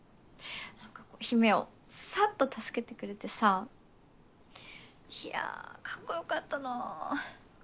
何かこう陽芽をサッと助けてくれてさいやカッコよかったなあ